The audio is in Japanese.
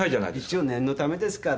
一応念のためですから。